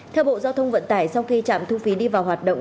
theo bộ giao thông vận tải sau khi trạm thu phí đi vào hoạt động